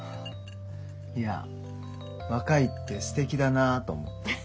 いや若いってすてきだなあと思って。